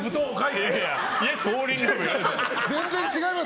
全然違います。